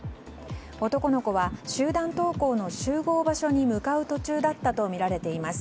男の子は集団登校の集合場所に向かう途中だったとみられています。